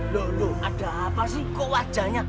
loh loh ada apa sih ke wajahnya